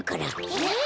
えっ？